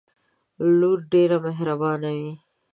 لور ډیره محربانه وی